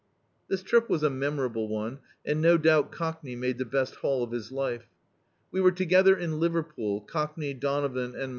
This trip was a memorable one, and no doubt Cockney made the best haul of his life. We were ti^ther in Liverpool, Cockney, Donovan and my [iij] D,i.